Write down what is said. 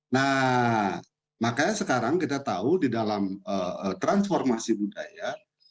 nah makanya sekarang kita tahu di dalam transformasi budaya